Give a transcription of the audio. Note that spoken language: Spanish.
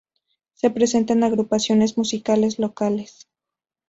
Se presentan agrupaciones musicales locales.